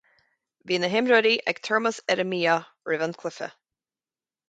Bhí na himreoirí ag tormas ar an mbia roimh an cluiche